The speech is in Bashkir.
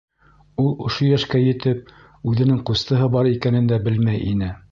Ул ошо йәшкә етеп үҙенең ҡустыһы бар икәнен дә белмәй ине.